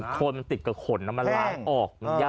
โคลนติดกับขนมันยากออก